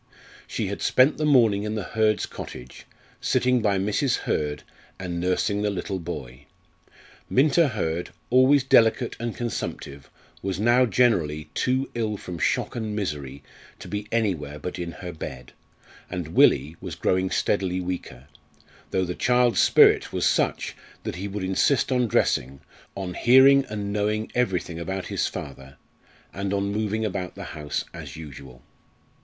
She had spent the morning in the Hurds' cottage, sitting by Mrs. Hurd and nursing the little boy. Minta Hurd, always delicate and consumptive, was now generally too ill from shock and misery to be anywhere but in her bed, and Willie was growing steadily weaker, though the child's spirit was such that he would insist on dressing, on hearing and knowing everything about his father, and on moving about the house as usual.